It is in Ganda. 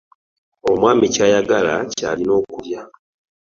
Omwami ky'ayagala ky'alina okulya.